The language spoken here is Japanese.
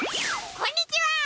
こんにちは！